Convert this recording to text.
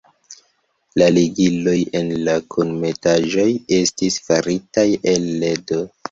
La ligiloj en la kunmetaĵoj estis faritaj el ledo.